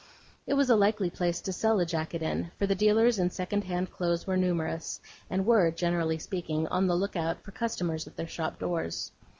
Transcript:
It was a likely place to sell a jacket in; for the dealers in second hand clothes were numerous, and were, generally speaking, on the look out for customers at their shop doors.